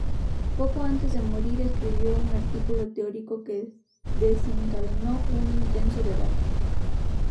Poco antes de morir, escribió un artículo teórico que desencadenó un intenso debate.